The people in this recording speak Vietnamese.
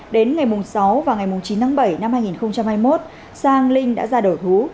đến ngày sáu và ngày chín tháng bảy năm hai nghìn hai mươi một sang linh đã ra đổ thú